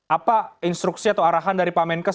apa instruksi atau arahan dari pak menkes